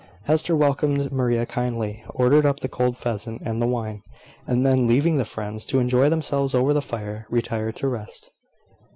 Hester welcomed Maria kindly, ordered up the cold pheasant and the wine, and then, leaving the friends to enjoy themselves over the fire, retired to rest.